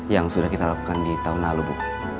yang sudah kita lakukan di tahun lalu bu